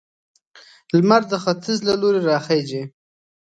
لمر د ختيځ له لوري راخيژي